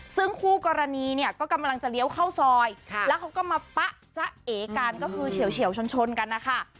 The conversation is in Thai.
ซึ่งคู่กรณีเนี่ยก็กำลังจะเลี้ยวเข้าซอยแล้วเขาก็มาปะจ๊ะเอกันก็คือเฉียวชนกันนะคะ